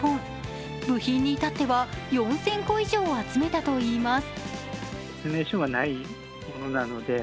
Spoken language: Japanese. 部品に至っては４０００個以上、集めたといいます。